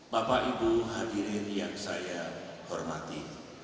bapak ibu hadirin yang saya hormati